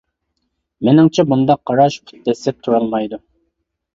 مېنىڭچە، بۇنداق قاراش پۇت دەسسەپ تۇرالمايدۇ.